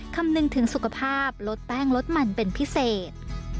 คำนึงถึงสุขภาพลดแป้งลดมันเป็นพิเศษ